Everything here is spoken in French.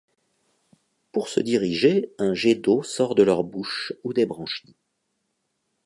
Pour se diriger, un jet d'eau sort de leur bouche ou des branchies.